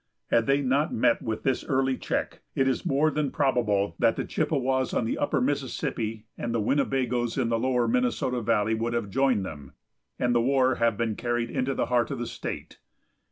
Had they not met with this early check, it is more than probable that the Chippewas on the Upper Mississippi and the Winnebagoes in the Lower Minnesota valley would have joined them, and the war have been carried into the heart of the state.